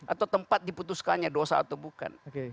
atau tempat diputuskannya dosa atau bukan